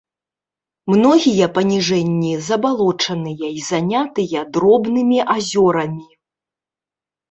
Многія паніжэнні забалочаныя і занятыя дробнымі азёрамі.